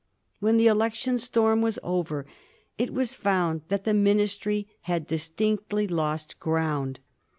When the election storm was over, it was found that the Ministry had distinctly lost ground.